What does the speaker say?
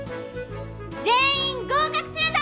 全員合格するぞ！